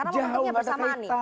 jauh gak ada kaitan